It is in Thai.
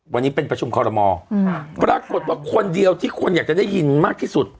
วันนี้เป็นประชุมคอลโมปรากฏว่าคนเดียวที่คนอยากจะได้ยินมากที่สุด